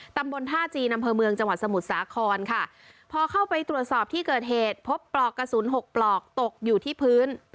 ตำบลท่าจีนอำเภอเมืองจังหวัดสมุทรสาครค่ะพอเข้าไปตรวจสอบที่เกิดเหตุพบปลอกกระสุนหกปลอกตกอยู่ที่พื้น